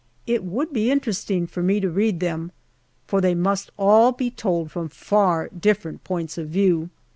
It would be interesting for me to read them, for they must all be told from far different points of view.